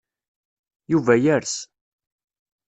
Yuba yers.